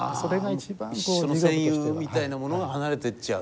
一緒の戦友みたいなものが離れてっちゃう。